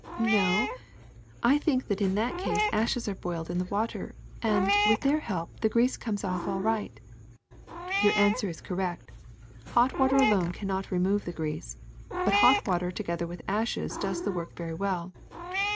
No; I think in that case ashes are boiled in the water, and with their help the grease comes off all right. '' *^Your answer is correct. Hot water alone can not remove the grease, but hot water together with ashes does the work very well.